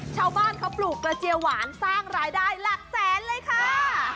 ชาวบ้านเขาปลูกกระเจียวหวานสร้างรายได้หลักแสนเลยค่ะ